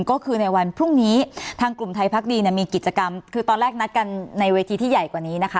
ก็คือในวันพรุ่งนี้ทางกลุ่มไทยพักดีเนี่ยมีกิจกรรมคือตอนแรกนัดกันในเวทีที่ใหญ่กว่านี้นะคะ